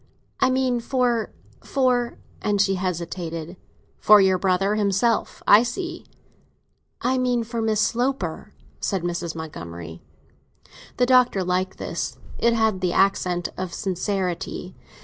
"I mean for—for—" and she hesitated. "For your brother himself. I see!" "I mean for Miss Sloper," said Mrs. Montgomery. The Doctor liked this; it had the accent of sincerity.